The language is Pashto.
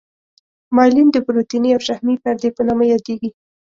مایلین د پروتیني او شحمي پردې په نامه یادیږي.